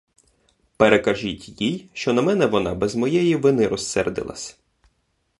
Перекажіть їй, що на мене вона без моєї вини розсердилась.